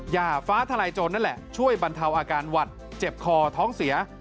อย่าฟ้าทลายโจรนั่นแหละช่วยบรรเทาอาการหวัดเจ็บคอท้องเสีย